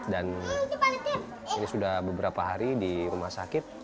dan ini sudah beberapa hari di rumah sakit